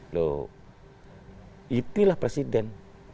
loh itulah presiden